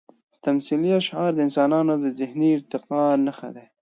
تمثیلي اشعار د انسانانو د ذهني ارتقا نښه ده.